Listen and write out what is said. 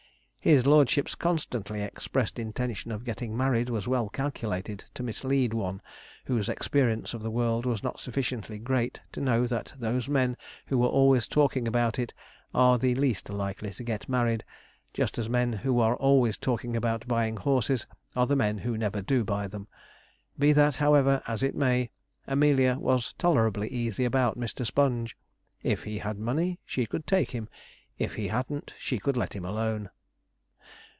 His lordship's constantly expressed intention of getting married was well calculated to mislead one whose experience of the world was not sufficiently great to know that those men who are always talking about it are the least likely to get married, just as men who are always talking about buying horses are the men who never do buy them. Be that, however, as it may, Amelia was tolerably easy about Mr. Sponge. If he had money she could take him; if he hadn't, she could let him alone.